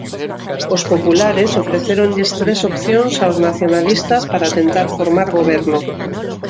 Os populares ofrecéronlles tres opcións aos nacionalistas para tentar formar goberno.